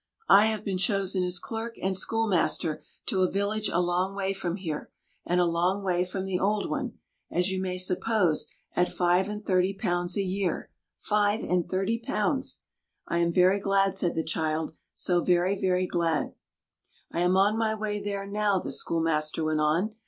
"I have been chosen as clerk and schoolmaster to a village a long way from here, and a long way from the old one, as you may suppose, at five and thirty pounds a year. Five and thirty pounds!" "I am very glad," said the child—"so very, very glad." "I am on my way there now," the schoolmaster went on.